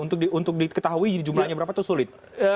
untuk diketahui jadi jumlahnya berapa itu sulit